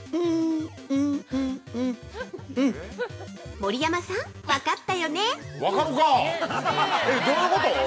◆盛山さん、分かったよね？